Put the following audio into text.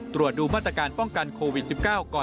ตรวจดูมาตรการป้องกันโควิด๑๙ก่อน